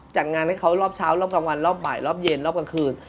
จัดงานให้เขารอบเช้ารอบกลางวันรอบบ่ายรอบเย็นรอบกลางคืน